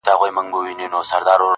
• په اوله کي ترخه وروسته خواږه وي..